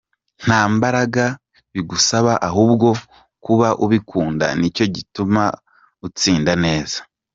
Nta mbaraga bigusaba ahubwo kuba ubikunda nicyo gituma utsinda neza.